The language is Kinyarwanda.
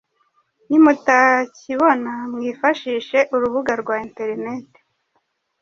Nimutakibona mwifashishe urubuga rwa interineti